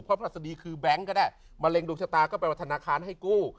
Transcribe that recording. เพราะภรรษดีคือแบงก์ก็ได้มะเร็งดุกชะตาก็เป็นวัฒนาคารให้กู้